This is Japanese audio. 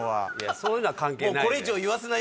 そういうのは関係ない。